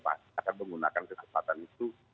akan menggunakan kesempatan itu